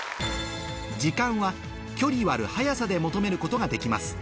時間は距離÷速さで求めることができます